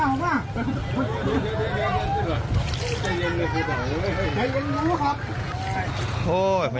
หล่อมาหล่อมา